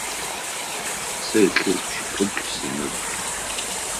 Сэ илъэс пшӏыкӏубл сыныбжь.